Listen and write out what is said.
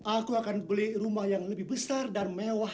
aku akan beli rumah yang lebih besar dan mewah